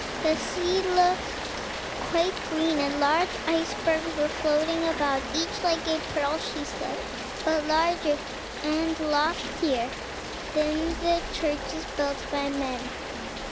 The sea looked quite green, and large icebergs were floating about, each like a pearl, she said, but larger and loftier than the churches built by men.